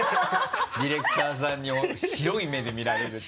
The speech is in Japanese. ディレクターさんに白い目で見られるって。